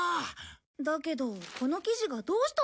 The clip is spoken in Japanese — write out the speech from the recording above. だけどこの記事がどうしたっていうの？